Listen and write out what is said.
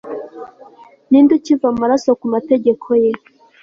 Ninde ukiva amaraso kumategeko ye